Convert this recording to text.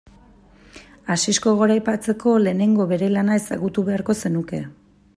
Asisko goraipatzeko lehenengo bere lana ezagutu beharko zenuke.